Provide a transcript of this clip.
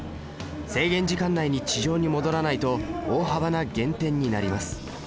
制限時間内に地上に戻らないと大幅な減点になります。